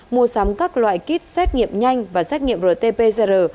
mua sắm các loại kit xét nghiệm nhanh và xét nghiệm rt pcr